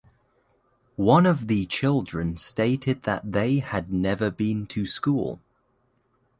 One of the children stated that they had never been to school.